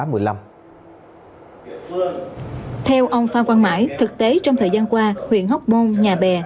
theo ông phan văn mãi thực tế trong thời gian qua huyện hóc môn nhà bè